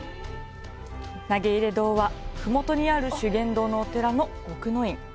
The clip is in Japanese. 投入堂は、ふもとにある修験道のお寺の奥の院。